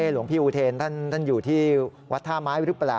หลวงพี่อุเทนท่านอยู่ที่วัดท่าไม้หรือเปล่า